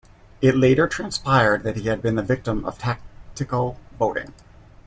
It later transpired that he had been the victim of tactical voting.